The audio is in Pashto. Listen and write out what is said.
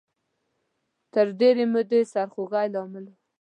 تر ډېرې مودې سرخوږۍ لامل و